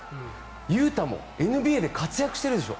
雄太もＮＢＡで活躍してるでしょ